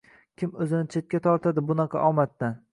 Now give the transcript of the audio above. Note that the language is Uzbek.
Kim o’zini chetga tortadi bunaqa omaddan?